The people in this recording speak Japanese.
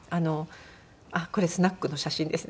あっこれスナックの写真ですね。